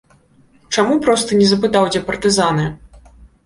Чаму проста не запытаў, дзе партызаны?